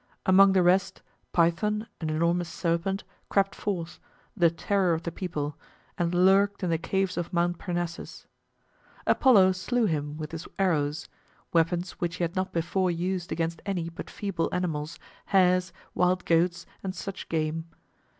Among the rest, Python, an enormous serpent, crept forth, the terror of the people, and lurked in the caves of Mount Parnassus. Apollo slew him with his arrows weapons which he had not before used against any but feeble animals, hares, wild goats, and such game.